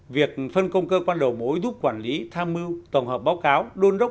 việc phân công cơ quan đầu mối giúp quản lý tham mưu tổng hợp báo cáo đôn đốc